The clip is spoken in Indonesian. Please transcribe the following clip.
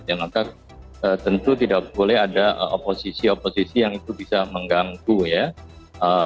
dan maka tentu tidak boleh ada oposisi oposisi yang itu bisa mengganggu ya